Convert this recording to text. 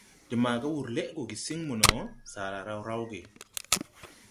De maaga wur lɛʼ gɔ gesiŋ mono, saara raw rawge sɔ.